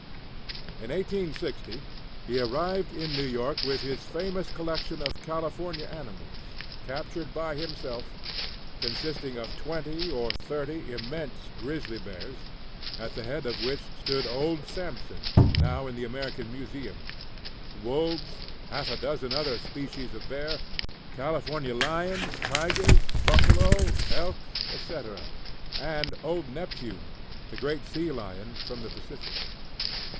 In 1860, he arrived in New York with his famous collection of California animals, captured by himself, consisting of twenty or thirty immense grizzly bears, at the head of which stood "Old Sampson" now in the American Museum wolves, half a dozen other species of bear, California lions, tigers, buffalo, elk, etc., and Old Neptune, the great sea lion, from the Pacific.